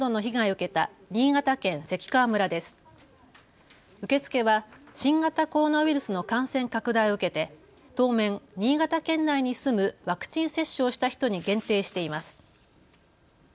受け付けは新型コロナウイルスの感染拡大を受けて当面、新潟県内に住むワクチン接種をした人に限定しています。